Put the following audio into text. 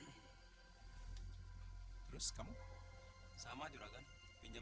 hai hai terus kamu sama juragan pinjam lima ratus